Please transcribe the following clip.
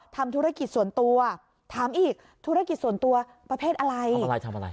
ทำธุรกิจส่วนตัวถามอีกธุรกิจส่วนตัวประเภทอะไรอะไรทำอะไร